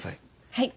はい。